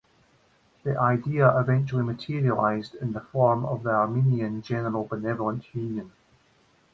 The idea eventually materialized in the form of the Armenian General Benevolent Union.